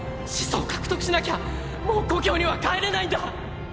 「始祖」を獲得しなきゃもう故郷には帰れないんだ！！